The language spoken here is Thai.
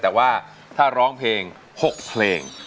แต่ว่าถ้าร้องเพลง๖เพลง